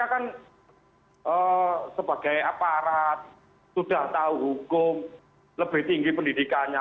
karena kan sebagai aparat sudah tahu hukum lebih tinggi pendidikannya